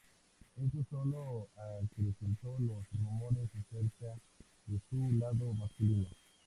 Esto sólo acrecentó los rumores acerca de su lado masculino.